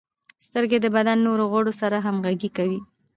• سترګې د بدن نورو غړو سره همغږي کوي.